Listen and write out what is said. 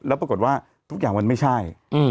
แล้วปรากฏว่าทุกอย่างมันไม่ใช่